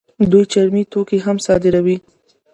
دوی چرمي توکي هم صادروي.